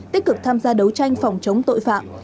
tích cực tham gia đấu tranh phòng chống tội phạm